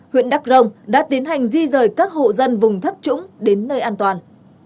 huyện đắc rông đã tiến hành di rời các hộ dân vùng thấp trũng đến nơi an toàn